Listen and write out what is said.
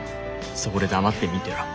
そこで黙って見てろ」。